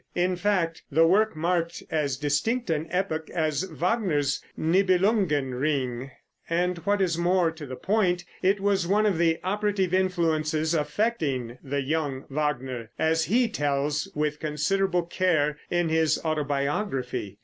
In fact, the work marked as distinct an epoch as Wagner's "Nibelungen Ring," and what is more to the point, it was one of the operative influences affecting the young Wagner, as he tells with considerable care in his autobiography.